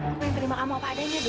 aku yang terima kamu apa adanya deh